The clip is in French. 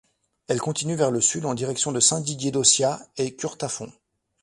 Elle continue vers le sud en direction de Saint-Didier-d'Aussiat et Curtafond.